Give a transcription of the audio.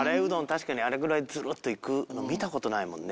確かにあれぐらいズルっといくの見たことないもんね。